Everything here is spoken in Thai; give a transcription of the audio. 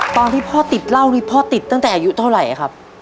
ตอนที่พ่อติดเหล้านี่พ่อติดตั้งแต่อายุเท่าไหร่ครับ